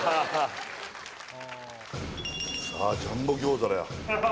さあジャンボ餃子だよ